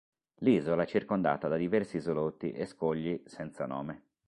L'isola è circondata da diversi isolotti e scogli senza nome.